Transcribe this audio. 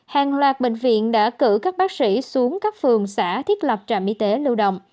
hàng loạt bệnh viện đã cử các bác sĩ xuống các phường xã thiết lập trạm y tế lưu động